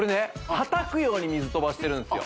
はたくように水飛ばしてるんですよ